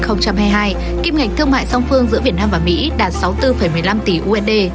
trong sáu tháng đầu năm hai nghìn hai mươi hai kim ngạch thương mại song phương giữa việt nam và mỹ đạt sáu mươi bốn một mươi năm tỷ usd